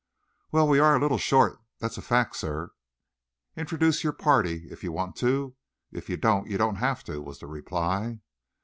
"Well, we are a little short, that's a fact, sir. Introduce your party if you want to. If you don't, you don't have to," was the reply.